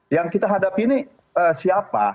yang kita hadapi ini siapa